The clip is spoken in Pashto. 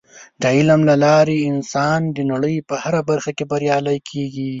د علم له لارې انسانان د نړۍ په هره برخه کې بریالي کیږي.